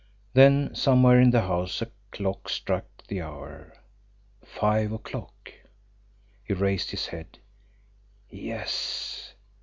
Then somewhere in the house a clock struck the hour. Five o'clock! He raised his head. YES!